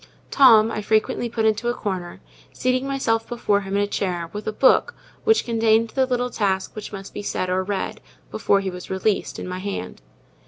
Tom I frequently put into a corner, seating myself before him in a chair, with a book which contained the little task that must be said or read, before he was released, in my hand.